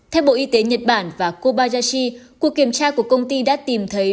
theo bộ y tế nhật bản và kobayashi cuộc kiểm tra của công ty đã tìm thấy